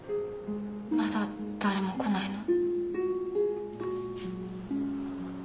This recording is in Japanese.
まだ誰も来ないの？